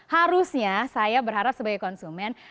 harusnya saya berharap sebagai konsumen